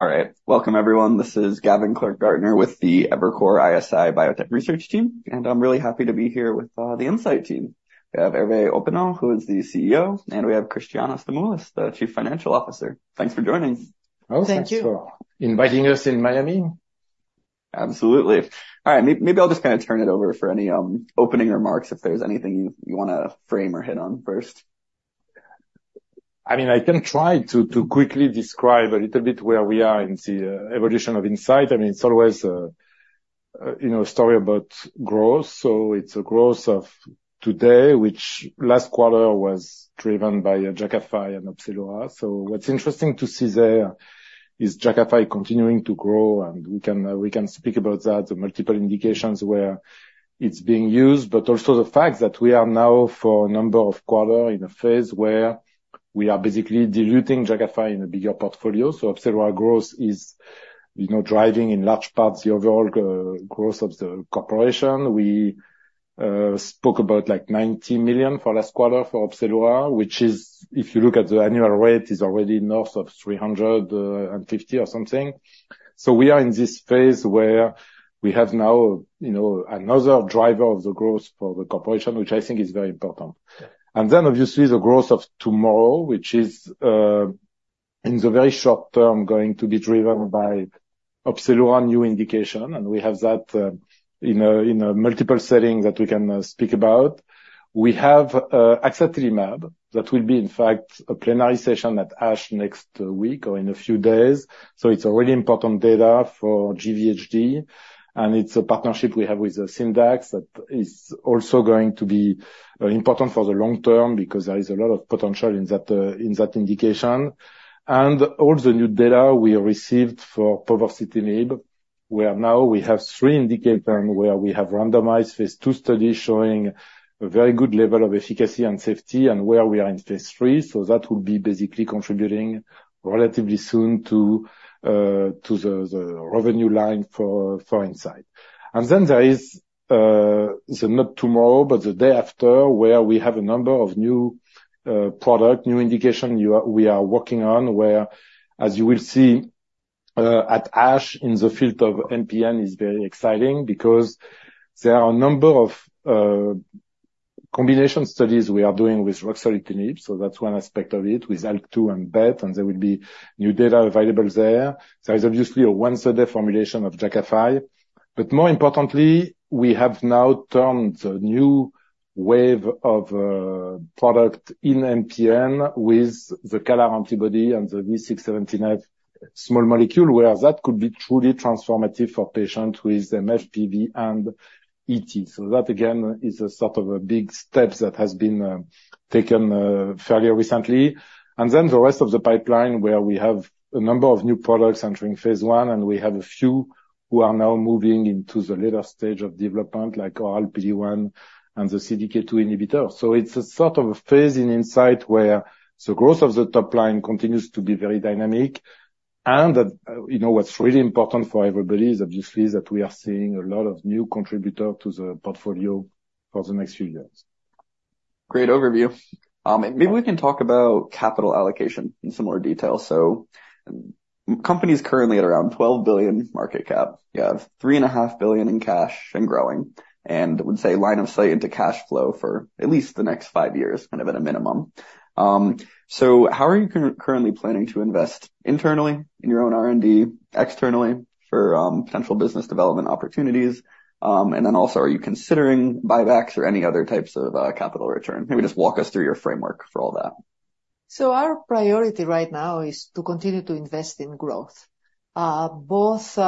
All right. Welcome, everyone. This is Gavin Clark-Gartner with the Evercore ISI Biotech research team, and I'm really happy to be here with the Incyte team. We have Hervé Hoppenot, who is the CEO, and we have Christiana Stamoulis, the Chief Financial Officer. Thanks for joining. Oh, thank you- Thank you. for inviting us in Miami. Absolutely. All right, maybe I'll just kind of turn it over for any opening remarks, if there's anything you wanna frame or hit on first. I mean, I can try to quickly describe a little bit where we are in the evolution of Incyte. I mean, it's always a, you know, a story about growth. So it's a growth of today, which last quarter was driven by Jakafi and Opzelura. So what's interesting to see there is Jakafi continuing to grow, and we can speak about that, the multiple indications where it's being used, but also the fact that we are now, for a number of quarters, in a phase where we are basically diluting Jakafi in a bigger portfolio. So Opzelura growth is, you know, driving in large parts the overall growth of the corporation. We spoke about, like, $90 million for last quarter for Opzelura, which is, if you look at the annual rate, already north of 350 or something. So we are in this phase where we have now, you know, another driver of the growth for the corporation, which I think is very important. And then, obviously, the growth of tomorrow, which is, in the very short term, going to be driven by Opzelura new indication, and we have that, in a multiple setting that we can speak about. We have axatilimab, that will be, in fact, a plenary session at ASH next week or in a few days. So it's a really important data for GVHD, and it's a partnership we have with Syndax, that is also going to be important for the long term because there is a lot of potential in that indication. And all the new data we received for povorcitinib, where now we have three indications where we are in phase 3. So that will be basically contributing relatively soon to the revenue line for Incyte. And then there is the not tomorrow, but the day after, where we have a number of new product, new indications we are working on, where, as you will see, at ASH, in the field of MPN, is very exciting because there are a number of combination studies we are doing with ruxolitinib, so that's one aspect of it, with ALK-2 and BET, and there will be new data available there. There is obviously a once a day formulation of Jakafi, but more importantly, we have now turned the new wave of product in MPN with the CALR antibody and the V617F small molecule, where that could be truly transformative for patients with MF, PV and ET. So that, again, is a sort of a big step that has been taken fairly recently. And then the rest of the pipeline, where we have a number of new products entering phase 1, and we have a few who are now moving into the later stage of development, like oral PD-L1 and the CDK2 inhibitor. It's a sort of a phase in Incyte where the growth of the top line continues to be very dynamic, and, you know, what's really important for everybody is obviously that we are seeing a lot of new contributor to the portfolio for the next few years. Great overview. Maybe we can talk about capital allocation in similar detail. So companies currently at around $12 billion market cap, you have $3.5 billion in cash and growing, and would say line of sight into cash flow for at least the next five years, kind of at a minimum. So how are you currently planning to invest internally in your own R&D, externally for potential business development opportunities? And then also, are you considering buybacks or any other types of capital return? Maybe just walk us through your framework for all that. So our priority right now is to continue to invest in growth, both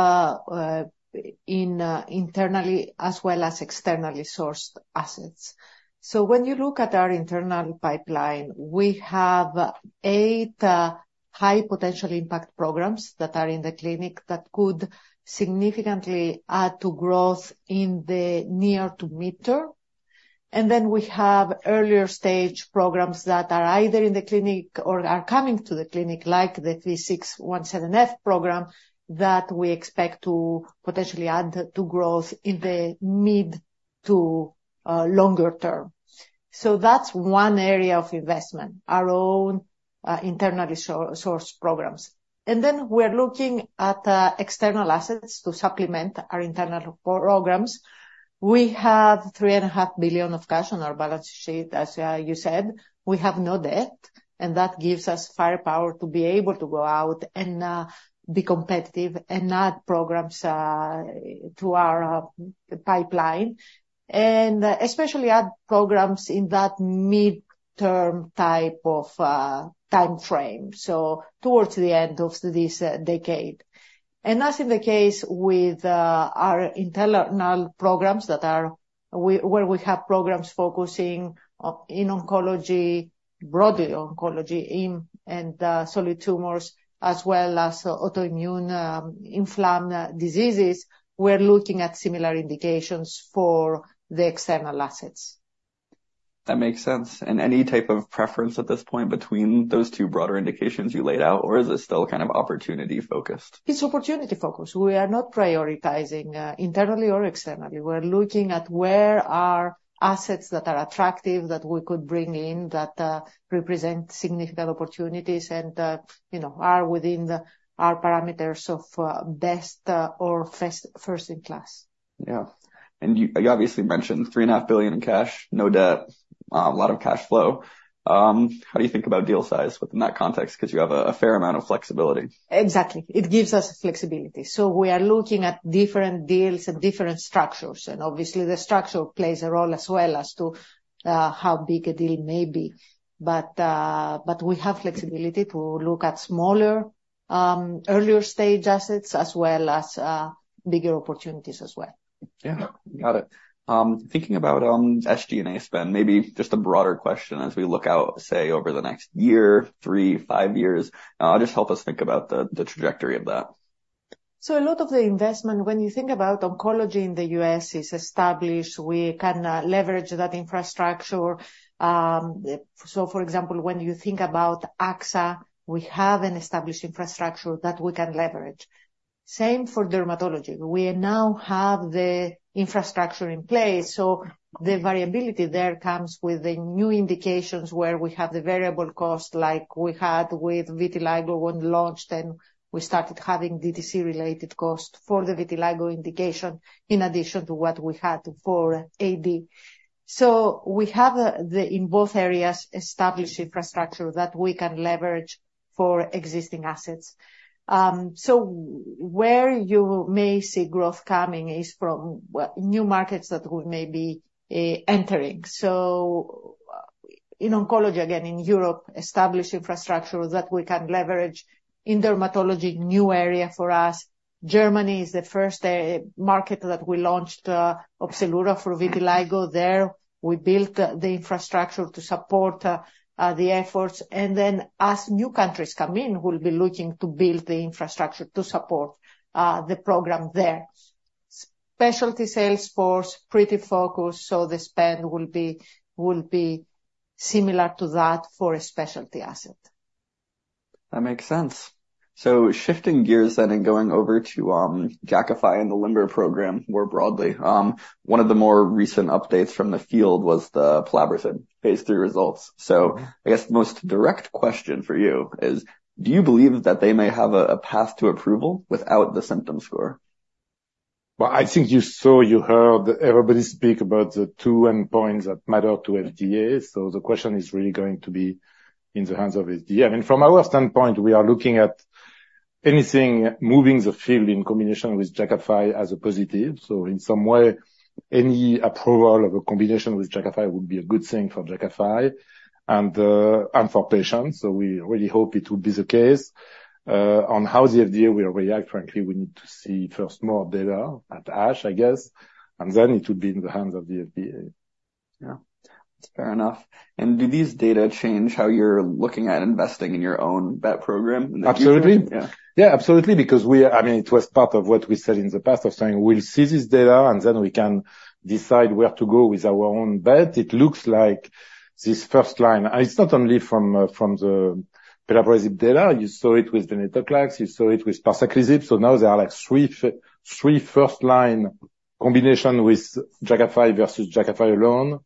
internally as well as externally sourced assets. So when you look at our internal pipeline, we have eight high potential impact programs that are in the clinic that could significantly add to growth in the near to mid-term. And then we have earlier stage programs that are either in the clinic or are coming to the clinic, like the V617F program, that we expect to potentially add to growth in the mid to longer term. So that's one area of investment, our own internally sourced programs. And then we're looking at external assets to supplement our internal programs. We have $3.5 billion of cash on our balance sheet, as you said. We have no debt, and that gives us firepower to be able to go out and be competitive and add programs to our pipeline, and especially add programs in that mid-term type of time frame, so towards the end of this decade. And as in the case with our internal programs where we have programs focusing on oncology, broadly oncology in solid tumors, as well as autoimmune inflammatory diseases, we're looking at similar indications for the external assets.... That makes sense. And any type of preference at this point between those two broader indications you laid out, or is it still kind of opportunity-focused? It's opportunity-focused. We are not prioritizing internally or externally. We're looking at where are assets that are attractive, that we could bring in, that represent significant opportunities and, you know, are within the our parameters of best or first, first in class. Yeah. And you, you obviously mentioned $3.5 billion in cash, no debt, a lot of cash flow. How do you think about deal size within that context? Because you have a, a fair amount of flexibility. Exactly. It gives us flexibility. So we are looking at different deals and different structures, and obviously, the structure plays a role as well as to how big a deal may be. But, but we have flexibility to look at smaller, earlier stage assets, as well as, bigger opportunities as well. Yeah. Got it. Thinking about SG&A spend, maybe just a broader question as we look out, say, over the next year, 3, 5 years, just help us think about the, the trajectory of that. So a lot of the investment, when you think about oncology in the U.S., is established. We can leverage that infrastructure. So for example, when you think about AXA, we have an established infrastructure that we can leverage. Same for dermatology. We now have the infrastructure in place, so the variability there comes with the new indications where we have the variable cost, like we had with vitiligo when we launched, and we started having DTC-related costs for the vitiligo indication, in addition to what we had for AD. So we have, in both areas, established infrastructure that we can leverage for existing assets. So where you may see growth coming is from new markets that we may be entering. So in oncology, again, in Europe, established infrastructure that we can leverage. In dermatology, new area for us. Germany is the first market that we launched Opzelura for vitiligo there. We built the infrastructure to support the efforts, and then as new countries come in, we'll be looking to build the infrastructure to support the program there. Specialty sales force, pretty focused, so the spend will be similar to that for a specialty asset. That makes sense. So shifting gears then and going over to Jakafi and the LIMBER program more broadly. One of the more recent updates from the field was the pelabresib phase 3 results. So I guess the most direct question for you is, do you believe that they may have a path to approval without the symptom score? Well, I think you saw, you heard everybody speak about the two endpoints that matter to FDA, so the question is really going to be in the hands of FDA. I mean, from our standpoint, we are looking at anything moving the field in combination with Jakafi as a positive. So in some way, any approval of a combination with Jakafi would be a good thing for Jakafi and, and for patients. So we really hope it will be the case. On how the FDA will react, frankly, we need to see first more data at ASH, I guess, and then it will be in the hands of the FDA. Yeah, that's fair enough. Do these data change how you're looking at investing in your own BET program? Absolutely. Yeah. Yeah, absolutely, because we are... I mean, it was part of what we said in the past, of saying we'll see this data and then we can decide where to go with our own BET. It looks like this first line, and it's not only from from the pelabresib data. You saw it with venetoclax, you saw it with parsaclisib. So now there are, like, three first line combination with Jakafi versus Jakafi alone,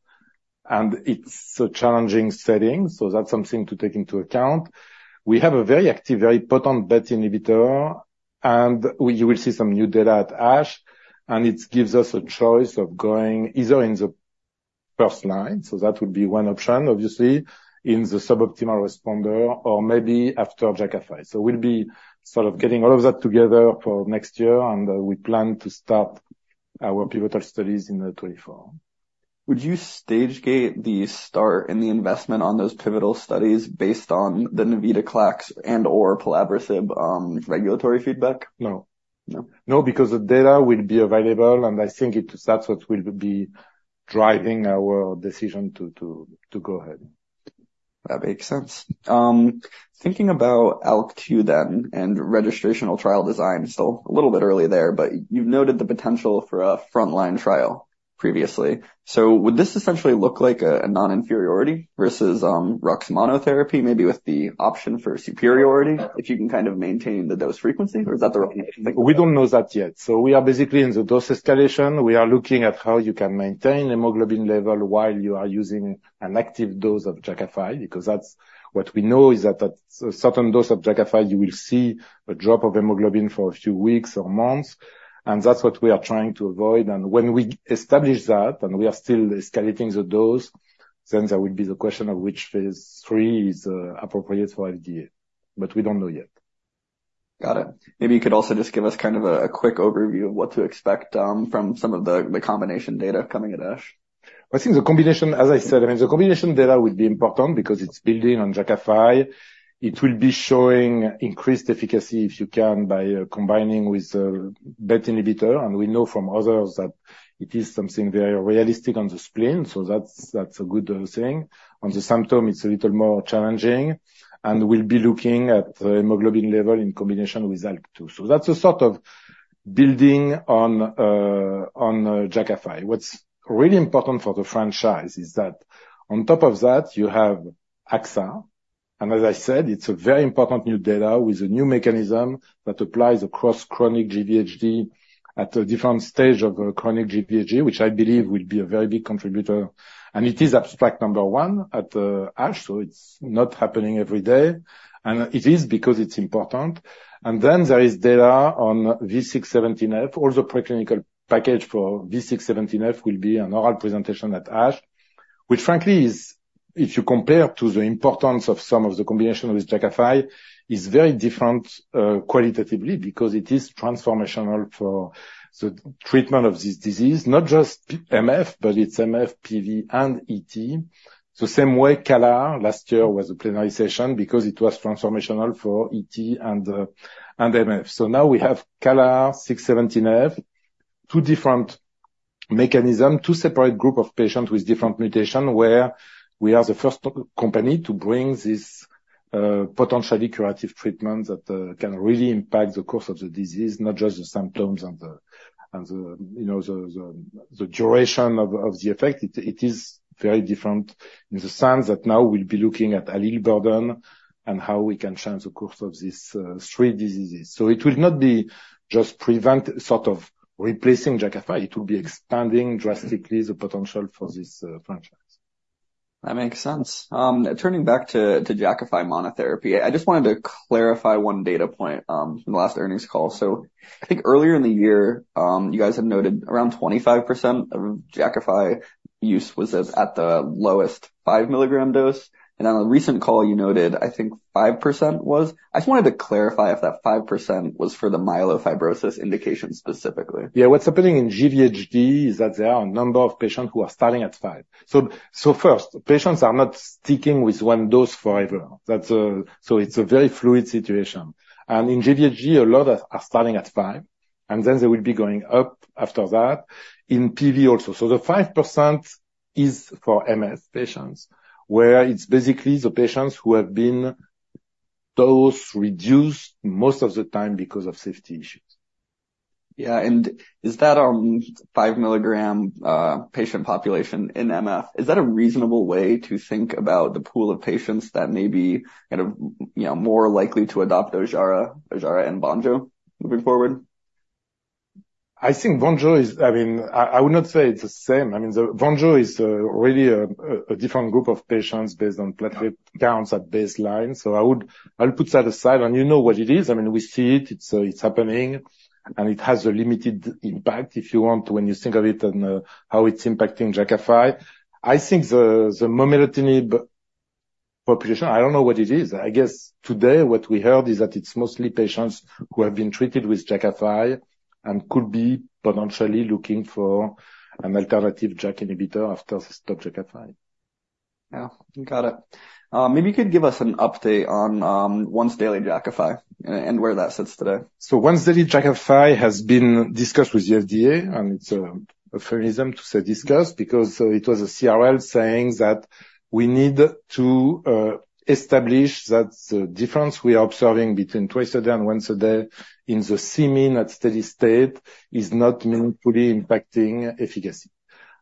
and it's a challenging setting, so that's something to take into account. We have a very active, very potent BET inhibitor, and you will see some new data at ASH, and it gives us a choice of going either in the first line, so that would be one option, obviously, in the suboptimal responder, or maybe after Jakafi. We'll be sort of getting all of that together for next year, and we plan to start our pivotal studies in 2024. Would you stage gate the start and the investment on those pivotal studies based on the venetoclax and/or pelabresib, regulatory feedback? No. No? No, because the data will be available, and I think it, that's what will be driving our decision to go ahead. That makes sense. Thinking about ALK2 then, and registrational trial design, still a little bit early there, but you've noted the potential for a frontline trial previously. So would this essentially look like a non-inferiority versus Rux monotherapy, maybe with the option for superiority, if you can kind of maintain the dose frequency, or is that the wrong way to think? We don't know that yet. So we are basically in the dose escalation. We are looking at how you can maintain hemoglobin level while you are using an active dose of Jakafi, because that's what we know is that a certain dose of Jakafi, you will see a drop of hemoglobin for a few weeks or months, and that's what we are trying to avoid. And when we establish that, and we are still escalating the dose, then there will be the question of which phase three is appropriate for FDA, but we don't know yet. Got it. Maybe you could also just give us kind of a quick overview of what to expect from some of the combination data coming at ASH? I think the combination, as I said, I mean, the combination data will be important because it's building on Jakafi. It will be showing increased efficacy, if you can, by combining with a BET inhibitor. And we know from others that it is something very realistic on the spleen, so that's a good thing. On the symptom, it's a little more challenging, and we'll be looking at the hemoglobin level in combination with ALK2. So that's a sort of building on Jakafi. What's really important for the franchise is that on top of that, you have axatilimab. And as I said, it's a very important new data with a new mechanism that applies across chronic GVHD at a different stage of chronic GVHD, which I believe will be a very big contributor. It is abstract number 1 at the ASH, so it's not happening every day, and it is because it's important. Then there is data on V617F. All the preclinical package for V617F will be an oral presentation at ASH, which frankly is, if you compare to the importance of some of the combination with Jakafi, is very different, qualitatively, because it is transformational for the treatment of this disease, not just MF, but it's MF, PV and ET. So same way, CALR last year was a plenary session because it was transformational for ET and, and MF. So now we have CALR V617F, two different mechanisms, two separate groups of patients with different mutations, where we are the first company to bring this, potentially curative treatment that can really impact the course of the disease, not just the symptoms and the, and the, you know, the, the, the duration of, of the effect. It is very different in the sense that now we'll be looking at allele burden and how we can change the course of these three diseases. So it will not be just prevent sort of replacing Jakafi, it will be expanding drastically the potential for this franchise. That makes sense. Turning back to Jakafi monotherapy, I just wanted to clarify one data point from the last earnings call. So I think earlier in the year, you guys had noted around 25% of Jakafi use was at the lowest 5 mg dose, and on a recent call, you noted, I think 5% was. I just wanted to clarify if that 5% was for the myelofibrosis indication specifically. Yeah. What's happening in GVHD is that there are a number of patients who are starting at 5. So first, patients are not sticking with one dose forever. That's... So it's a very fluid situation. And in GVHD, a lot are starting at 5, and then they will be going up after that. In PV, also. So the 5% is for MF patients, where it's basically the patients who have been dose reduced most of the time because of safety issues. Yeah. And is that, 5 mg patient population in MF, is that a reasonable way to think about the pool of patients that may be kind of, you know, more likely to adopt Jakafi, Jakafi and Vonjo moving forward? I think Vonjo is, I mean, I would not say it's the same. I mean, the Vonjo is really a different group of patients based on platelet counts at baseline. So I'll put that aside, and you know what it is. I mean, we see it, it's happening, and it has a limited impact, if you want, when you think of it and how it's impacting Jakafi. I think the momelotinib population, I don't know what it is. I guess today what we heard is that it's mostly patients who have been treated with Jakafi and could be potentially looking for an alternative Jak inhibitor after they stop Jakafi. Yeah. Got it. Maybe you could give us an update on once-daily Jakafi and where that sits today? So once-daily Jakafi has been discussed with the FDA, and it's an aphorism to say, discussed, because it was a CRL saying that we need to establish that the difference we are observing between twice a day and once a day in the Cmin at steady state is not meaningfully impacting efficacy.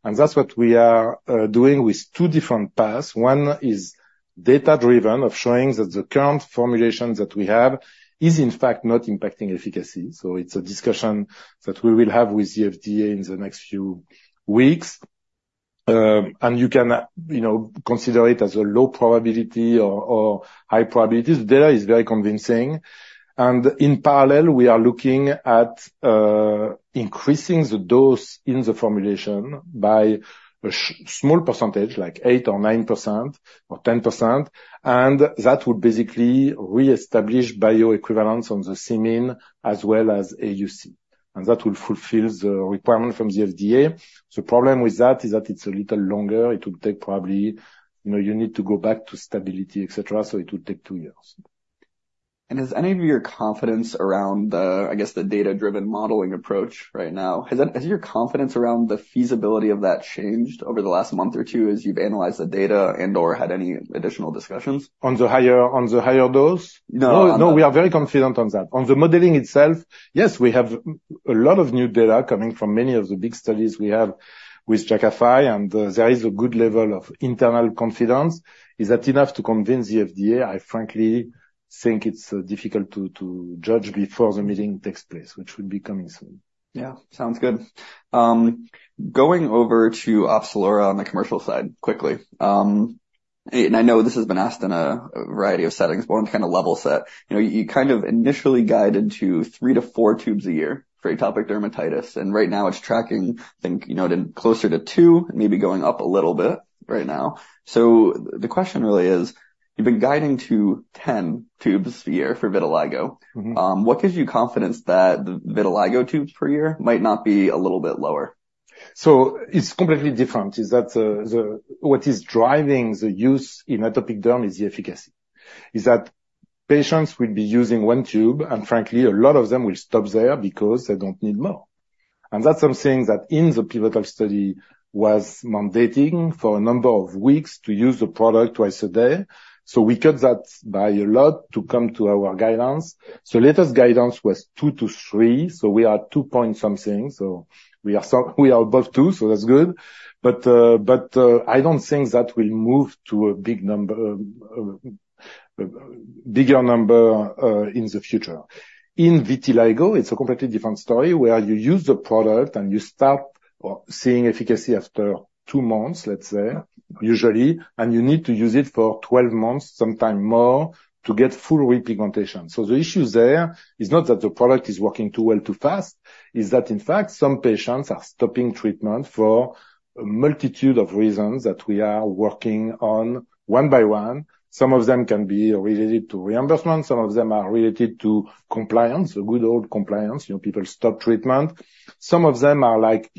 And that's what we are doing with two different paths. One is data-driven, of showing that the current formulation that we have is, in fact, not impacting efficacy. So it's a discussion that we will have with the FDA in the next few weeks. And you can, you know, consider it as a low probability or, or high probability. This data is very convincing. In parallel, we are looking at increasing the dose in the formulation by a small percentage, like 8% or 9% or 10%, and that would basically reestablish bioequivalence on the Cmin as well as AUC, and that will fulfill the requirement from the FDA. The problem with that is that it's a little longer. It will take probably... You know, you need to go back to stability, et cetera, so it will take two years. Has any of your confidence around the, I guess, the data-driven modeling approach right now, has that, has your confidence around the feasibility of that changed over the last month or two as you've analyzed the data and/or had any additional discussions? On the higher dose? No, on- No, we are very confident on that. On the modeling itself, yes, we have a lot of new data coming from many of the big studies we have with Jakafi, and there is a good level of internal confidence. Is that enough to convince the FDA? I frankly think it's difficult to judge before the meeting takes place, which will be coming soon. Yeah. Sounds good. Going over to Opzelura on the commercial side quickly. And I know this has been asked in a variety of settings, but I want to kind of level set. You know, you kind of initially guided to 3-4 tubes a year for atopic dermatitis, and right now it's tracking, I think, you know, closer to 2, maybe going up a little bit right now. So the question really is: You've been guiding to 10 tubes a year for vitiligo. Mm-hmm. What gives you confidence that the vitiligo tubes per year might not be a little bit lower? So it's completely different. What is driving the use in atopic derm is the efficacy. That patients will be using one tube, and frankly, a lot of them will stop there because they don't need more. And that's something that in the pivotal study was mandating for a number of weeks to use the product twice a day. So we cut that by a lot to come to our guidance. So latest guidance was 2-3, so we are 2 point something. So we are above 2, so that's good. But, but, I don't think that will move to a big number, bigger number, in the future. In vitiligo, it's a completely different story, where you use the product and you start seeing efficacy after 2 months, let's say, usually, and you need to use it for 12 months, sometimes more, to get full repigmentation. So the issue there is not that the product is working too well, too fast. It's that, in fact, some patients are stopping treatment for a multitude of reasons that we are working on one by one. Some of them can be related to reimbursement, some of them are related to compliance, the good old compliance, you know, people stop treatment. Some of them are like,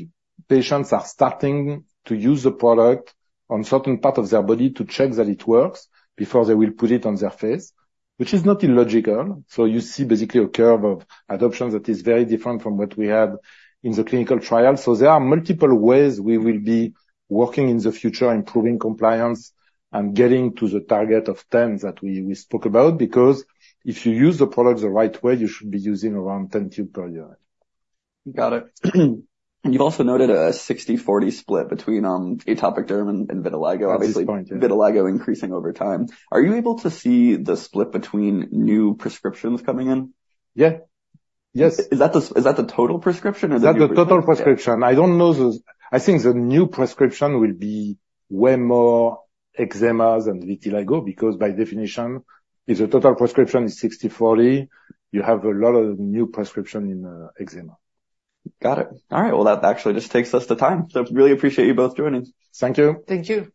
patients are starting to use the product on certain part of their body to check that it works before they will put it on their face, which is not illogical. You see basically a curve of adoption that is very different from what we had in the clinical trial. There are multiple ways we will be working in the future, improving compliance and getting to the target of 10 that we, we spoke about, because if you use the product the right way, you should be using around 10 tube per year. Got it. You've also noted a 60/40 split between atopic derm and vitiligo- At this point, yeah. Obviously, vitiligo increasing over time. Are you able to see the split between new prescriptions coming in? Yeah. Yes. Is that the total prescription or the- That's the total prescription. Yeah. I don't know. I think the new prescription will be way more eczema than vitiligo, because by definition, if the total prescription is 60/40, you have a lot of new prescription in eczema. Got it. All right. Well, that actually just takes us to time. So really appreciate you both joining. Thank you. Thank you.